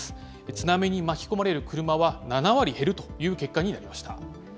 津波に巻き込まれる車は７割減るという結果になりました。